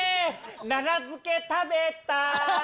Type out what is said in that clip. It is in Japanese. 奈良漬食べた？